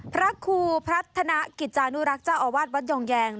พระครูพัฒนากิจจานุรักษ์เจ้าอาวาสวัดยองแยง